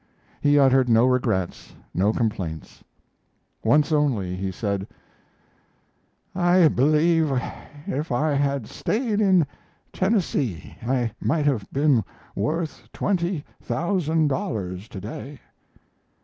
He uttered no regrets, no complaints. Once only he said: "I believe if I had stayed in Tennessee I might have been worth twenty thousand dollars to day."